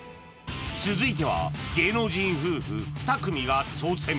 続いては芸能人夫婦２組が挑戦！